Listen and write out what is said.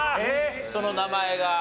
その名前が。